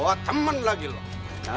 bawa temen lagi loh